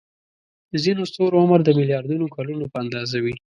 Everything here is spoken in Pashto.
د ځینو ستورو عمر د ملیاردونو کلونو په اندازه وي.